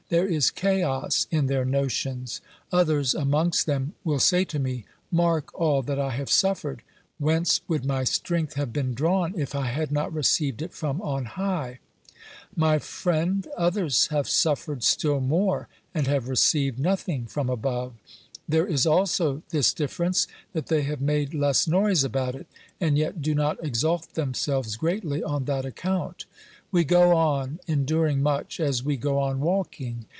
There is chaos in their notions. Others amongst them will say to me : Mark all that I have suffered ; whence would my strength have been drawn if I had not received it from on high ? My friend, others have suffered still more and have received nothing from above. There is also this difference, that they have made less noise about it, and yet do not exalt themselves greatly on that account. We go on enduring much as we go on walking.